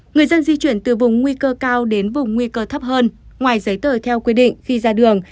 người dân di chuyển từ vùng nguy cơ cao đến vùng nguy cơ thấp hơn ngoài giấy tờ theo quy định khi ra đường